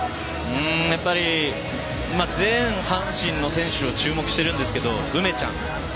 やっぱり全阪神の選手に注目していますが梅ちゃん。